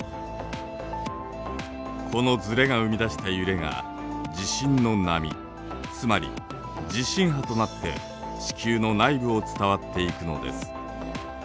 このずれが生み出した揺れが地震の波つまり地震波となって地球の内部を伝わっていくのです。